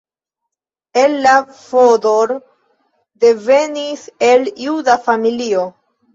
Ella Fodor devenis el juda familio.